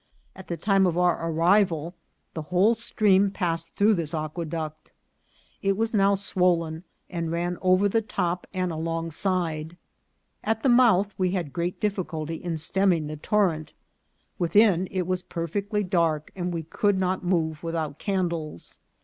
At the time of our arrival the whole stream passed through this aqueduct. It was now swollen, and ran over the top and along side. At the mouth we had great difficulty in stem ming the torrent. Within it was perfectly dark, and we could not move without candles.